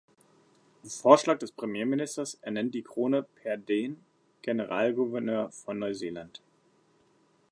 Auf Vorschlag des Premierministers ernennt die Krone per den Generalgouverneur von Neuseeland.